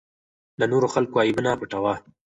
د نورو خلکو عیبونه پټوه.